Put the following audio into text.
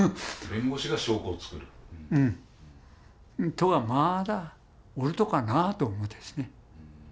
とがまだおるとかなと思うんですね。